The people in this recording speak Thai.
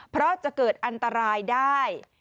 เพราะจะเกิดอันตรายได้